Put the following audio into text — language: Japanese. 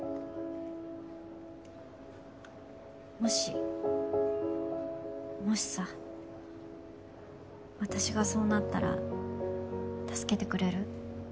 もしもしさ私がそうなったら助けてくれる？